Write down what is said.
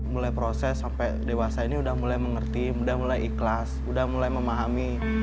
mulai proses sampai dewasa ini udah mulai mengerti sudah mulai ikhlas udah mulai memahami